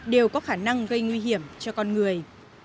đều có khả năng gây nguy hiểm cho con người